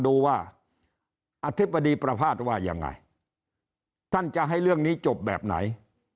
ดูว่าอธิบดีประภาษณ์ว่ายังไงท่านจะให้เรื่องนี้จบแบบไหน